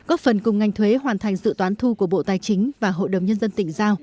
góp phần cùng ngành thuế hoàn thành dự toán thu của bộ tài chính và hội đồng nhân dân tỉnh giao